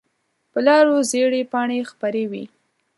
په لارو زېړې پاڼې خپرې وي